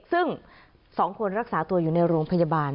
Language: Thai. ซึ่ง๒คนรักษาตัวอยู่ในโรงพยาบาล